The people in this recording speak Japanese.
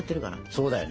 そうだよね。